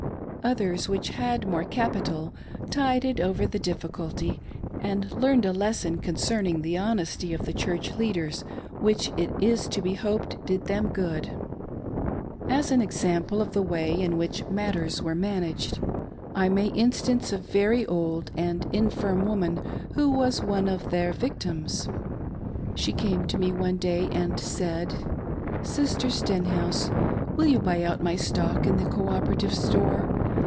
Others which had more capital tided over the difficulty, and learned a lesson concerning the honesty of the Church leaders which it is to be hoped did them good THE " ORDER OF ENOCH." goj As an example of the way in which matters were managed, I may instance a very old and infirm woman who was one of their victims. She came to me one day and said, "Sister Stenhouse, will you buy put my stock in the Cooperative store?